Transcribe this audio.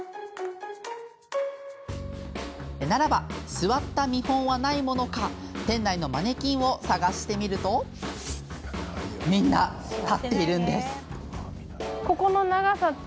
ならば、座った見本はないものか店内のマネキンを探してみるとみんな立っているんです。